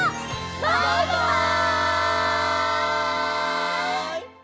バイバイ！